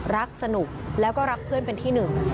รักสนุกแล้วก็รักเพื่อนเป็นที่หนึ่ง